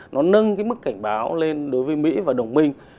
nó nâng cái mức cảnh báo lên đối với mỹ và đồng minh